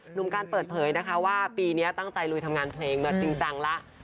หนุ่มการเปิดเผยนะคะว่าปีนี้ตั้งใจลุยทำงานเพลงมาจริงจังแล้ว